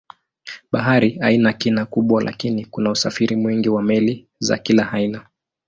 Bahari haina kina kubwa lakini kuna usafiri mwingi wa meli za kila aina.